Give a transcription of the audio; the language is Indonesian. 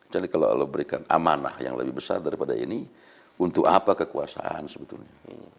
jadi kalau allah berikan amanah yang lebih besar daripada ini untuk apa kekuasaan sebetulnya